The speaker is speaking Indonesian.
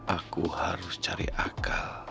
aku harus cari akal